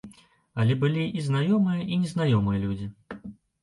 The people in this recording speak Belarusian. Але былі і знаёмыя, і незнаёмыя людзі.